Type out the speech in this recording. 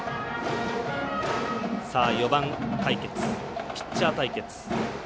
４番、ピッチャー対決。